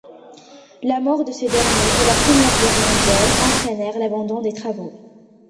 La mort de ce dernier et la Première Guerre mondiale entraînèrent l'abandon des travaux.